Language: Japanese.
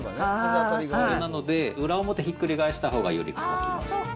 それなので、裏表ひっくり返したほうが、より乾きます。